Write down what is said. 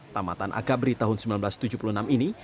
tamatan akabri tahun seribu sembilan ratus tujuh puluh enam ini